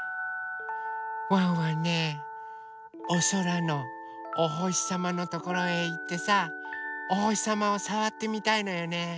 ワンワンねおそらのおほしさまのところへいってさおほしさまをさわってみたいのよね。